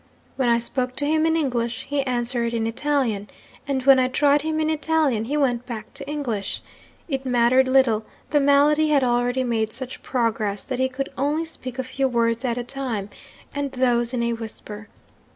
When I spoke to him in English, he answered in Italian; and when I tried him in Italian, he went back to English. It mattered little the malady had already made such progress that he could only speak a few words at a time, and those in a whisper.